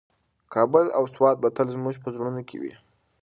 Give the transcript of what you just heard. کابل او سوات به تل زموږ په زړونو کې وي.